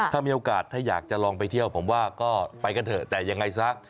ถ้ามีโอกาสถ้าอยากจะลองไปเที่ยวผมว่าก็ไปกันเถอะแต่ยังไงซะ